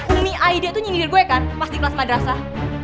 umi aida tuh nyindir gue kan pas di kelas madrasah